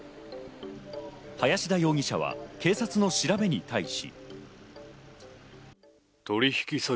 林田容疑者は警察の調べに対し。